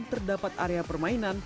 terdapat area permainan